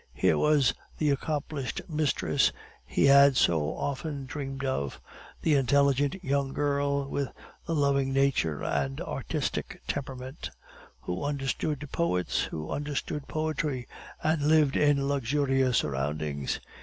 Here was the accomplished mistress he had so often dreamed of, the intelligent young girl with the loving nature and artistic temperament, who understood poets, who understood poetry, and lived in luxurious surroundings.